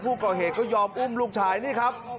ผู้ก่อเหตุก็ยอมอุ้มลูกชายนี่ครับ